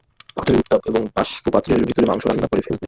পাথরের উত্তাপ এবং বাষ্প পাত্রের ভেতরের মাংস রান্না করে ফেলবে।